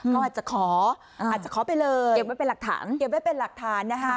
ก็อาจจะขออาจจะขอไปเลยเก็บไว้เป็นหลักฐาน